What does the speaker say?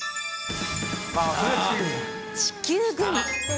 地球グミ。